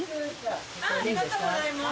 ありがとうございます。